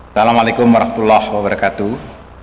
assalamu'alaikum warahmatullahi wabarakatuh